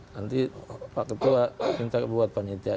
nanti pak ketua minta buat panitia